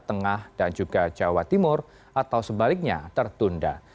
tengah dan juga jawa timur atau sebaliknya tertunda